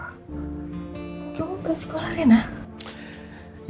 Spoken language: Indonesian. kamu ke sekolah rena